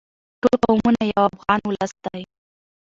ټول قومونه یو افغان ولس دی.